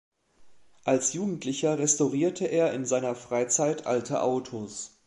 Als Jugendlicher restaurierte er in seiner Freizeit alte Autos.